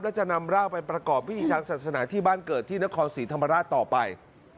และจะนำร่างไปประกอบพิธีทางศาสนาที่บ้านเกิดที่นครศรีธรรมราชต่อไป